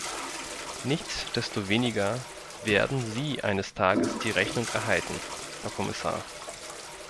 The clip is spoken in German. Nichtsdestoweniger werden Sie eines Tages die Rechnung erhalten, Herr Kommissar.